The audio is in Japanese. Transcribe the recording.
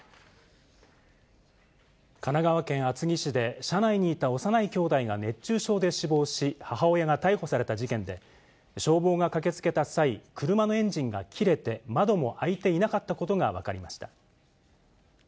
神奈川県厚木市で、車内にいた幼いきょうだいが熱中症で死亡し、母親が逮捕された事件で、消防が駆けつけた際、車のエンジンが切れて、窓も開いていなかったことが分かりました。